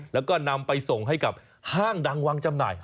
แล้วก็นำไปส่งให้กับห้างดังวางจำหน่าย